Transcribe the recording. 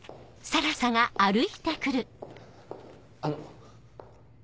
あの。